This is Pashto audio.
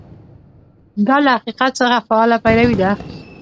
دا له حقیقت څخه فعاله پیروي ده.